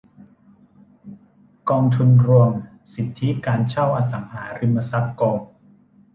กองทุนรวมสิทธิการเช่าอสังหาริมทรัพย์โกลด์